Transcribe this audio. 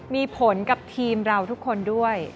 มีผลกับทีมเราทุกคนด้วย